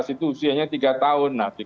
itu usianya tiga tahun